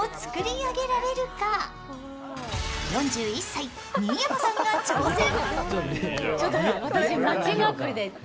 ４１歳、新山さんが挑戦。